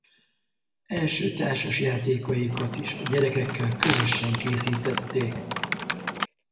Első társasjátékaikat is a gyerekekkel közösen készítették.